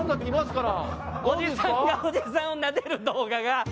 おじさんがおじさんをなでる動画が。